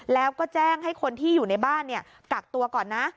แล้วก็แจ้งให้คนที่อยู่ในบ้านกักตัวก่อนนะ